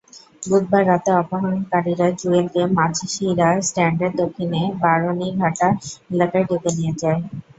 বুধবার রাতে অপহরণকারীরা জুয়েলকে মাঝিড়া স্ট্যান্ডের দক্ষিণে বারনিঘাটা এলাকায় ডেকে নিয়ে যায়।